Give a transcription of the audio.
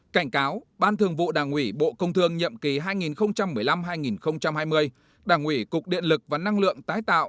cảnh cáo ban thường vụ đảng ủy bộ công thương nhiệm kỳ hai nghìn một mươi năm hai nghìn hai mươi đảng ủy cục điện lực và năng lượng tái tạo